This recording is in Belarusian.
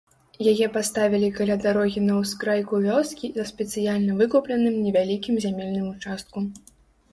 Яе паставілі каля дарогі на ўскрайку вёскі на спецыяльна выкупленым невялікім зямельным участку.